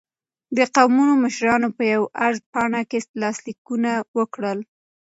د قومونو مشرانو په یوه عرض پاڼه کې لاسلیکونه وکړل.